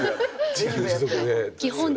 自給自足で。